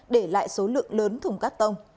để lại số lượng lớn thùng cắt tông